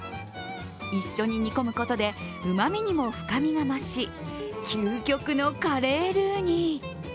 一緒に煮込むことでうまみにも深水が増し、究極のカレールーに。